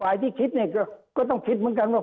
ที่คิดเนี่ยก็ต้องคิดเหมือนกันว่า